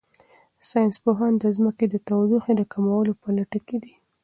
ساینس پوهان د ځمکې د تودوخې د کمولو په لټه کې دي.